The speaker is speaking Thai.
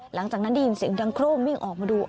หลังจากนั้นได้ยินเสียงดังโครมวิ่งออกมาดู